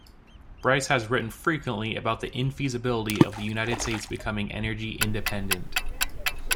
Bryce has written frequently about the infeasibility of the United States becoming energy independent.